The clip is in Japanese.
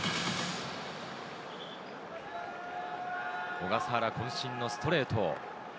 小笠原、こん身のストレート。